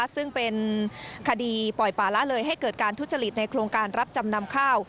ซึ่งเป็นคดีปล่อยป่าละเลยให้เกิดการทุจริตในโครงการรับจำนำข้าว